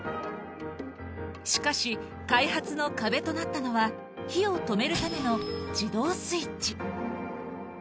しかし、開発の壁となったのは、火を止めるための自動スイッチ。